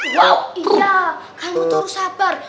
iya kamu terus sabar